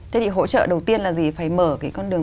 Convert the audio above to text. thế thì hỗ trợ đầu tiên là gì phải mở cái con đường